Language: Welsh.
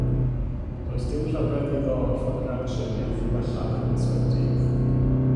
Does dim rhyfedd iddo orfod cael triniaeth i wella mewn ysbyty.